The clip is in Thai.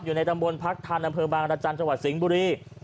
อยู่ในตำบลพักธานบบางราชันจศิงบุรี